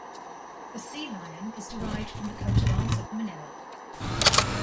The Sea Lion is derived from the coat of arms of Manila.